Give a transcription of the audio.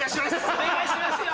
お願いしますよ！